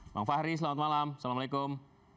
bang fahri selamat malam assalamualaikum